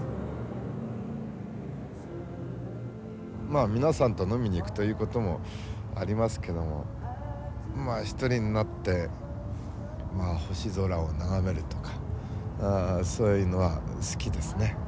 まあ皆さんと飲みに行くということもありますけどもまあ一人になって星空を眺めるとかそういうのは好きですね。